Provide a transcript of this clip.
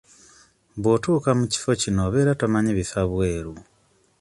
Bw'otuuka mu kifo kino obeera tomanyi bifa bweru.